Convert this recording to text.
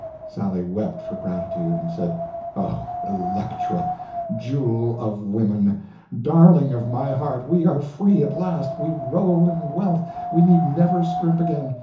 Sally wept for gratitude, and said: "Oh, Electra, jewel of women, darling of my heart, we are free at last, we roll in wealth, we need never scrimp again.